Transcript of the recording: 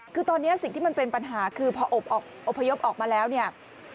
คือตอนนี้สิ่งที่มันเป็นปัญหาคือพออบพยพออกมาแล้วเนี่ย